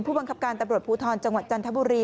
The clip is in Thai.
ผู้บังคับการตำรวจภูทรจังหวัดจันทบุรี